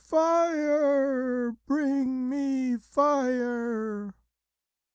Fire! Bring me Fire!